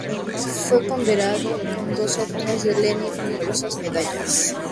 Fue condecorado con dos Órdenes de Lenin y numerosas medallas.